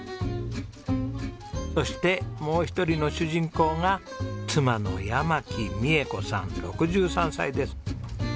そしてもう一人の主人公が妻の山木美恵子さん６３歳です。